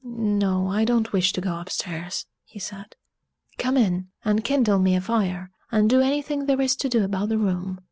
"No, I don't wish to go upstairs," he said. "Come in, and kindle me a fire, and do anything there is to do about the room."